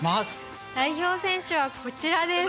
代表選手はこちらです！